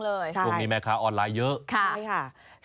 ที่จะทำให้สนับสนุนให้การขายออนไลน์ช่วงนี้ก็ขายดีนะแต่อยากจะรู้จริง